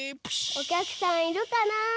おきゃくさんいるかなあ？